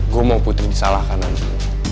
gue mau putri disalahkan aja